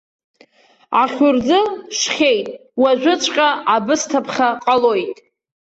Ахәурӡы шхьеит, уажәыҵәҟьа абысҭа-ԥха ҟалоит.